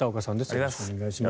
よろしくお願いします。